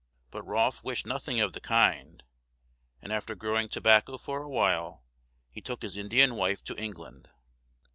But Rolfe wished nothing of the kind, and after growing tobacco for a while, he took his Indian wife to England.